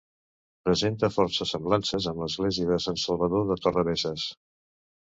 Presenta fortes semblances amb l'església de Sant Salvador de Torrebesses.